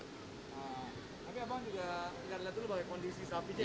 tapi abang juga lihat dulu kondisi sapi itu ya pak